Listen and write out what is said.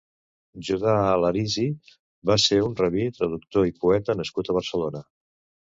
Judà Alharizi va ser un rabbí, traductor i poeta nascut a Barcelona.